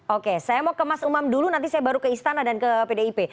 oke saya mau ke mas umam dulu nanti saya baru ke istana dan ke pdip